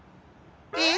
え